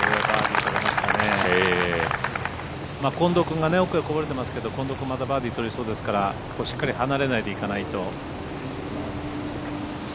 近藤君が奥にこぼれてますけど近藤君またバーディー取りそうですからしっかり離れないでいかないと。